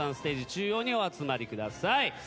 中央にお集まりください。